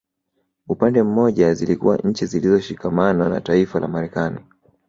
Upande mmoja zilikuwa nchi zilizoshikama na taifa la Marekani